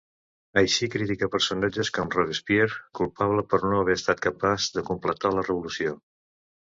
Així critica personatges com Robespierre, culpable per no haver estat capaç de completar la revolució.